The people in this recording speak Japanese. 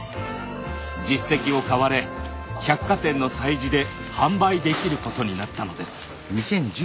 実績を買われ百貨店の催事で販売できることになったのです。